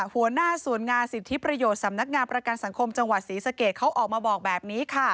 หัวหน้าส่วนงานสิทธิประโยชน์สำนักงานประกันสังคมจังหวัดศรีสะเกดเขาออกมาบอกแบบนี้ค่ะ